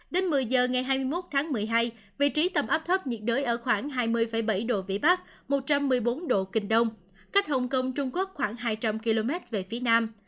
đến một mươi giờ ngày hai mươi một tháng một mươi hai vị trí tâm áp thấp nhiệt đới ở khoảng hai mươi bảy độ vĩ bắc một trăm một mươi bốn độ kinh đông cách hồng kông trung quốc khoảng hai trăm linh km về phía nam